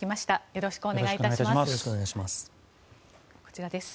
よろしくお願いします。